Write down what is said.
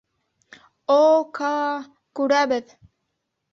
— О, Каа, күрәбеҙ!